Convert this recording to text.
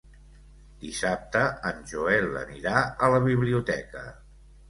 Dissabte en Joel anirà a la biblioteca.